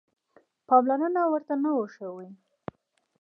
پاملرنه ورته نه وه شوې.